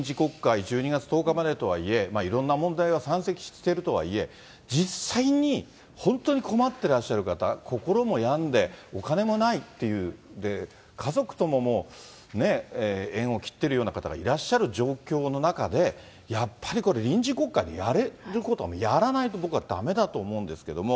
臨時国会１２月１０日までとはいえ、いろんな問題が山積してるとはいえ、実際に、本当に困ってらっしゃる方、心も病んで、お金もないっていう、家族とももう、縁を切ってるような方がいらっしゃる状況の中で、やっぱりこれ、臨時国会でやれることはやらないと僕はだめだと思うんですけれども。